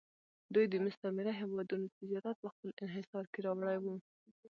دوی د مستعمره هېوادونو تجارت په خپل انحصار کې راوړی و